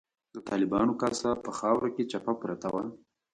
د طالبانو کاسه په خاورو کې چپه پرته وه.